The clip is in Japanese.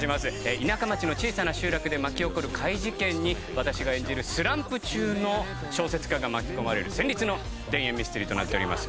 田舎町の小さな集落で巻き起こる怪事件に私が演じるスランプ中の小説家が巻き込まれる戦慄の田園ミステリーとなっております。